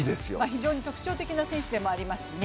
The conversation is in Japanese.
非常に特徴的な選手でもありますしね。